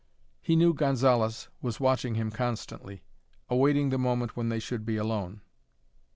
He knew Gonzalez was watching him constantly, awaiting the moment when they should be alone.